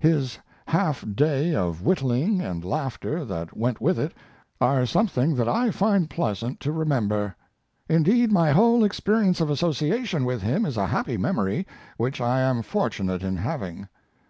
His half day of whittling and laughter that went with it are something that I find pleasant to remember. Indeed, my whole experience of association with him is a happy memory, which I am fortunate in having....